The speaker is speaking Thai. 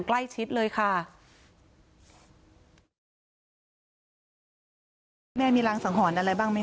พระเจ้าที่อยู่ในเมืองของพระเจ้า